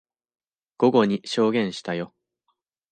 午後に証言したよ。